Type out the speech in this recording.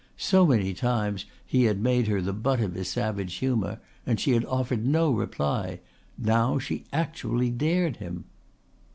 So many times he had made her the butt of his savage humour and she had offered no reply. Now she actually dared him!